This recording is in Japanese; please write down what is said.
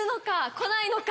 来ないのか？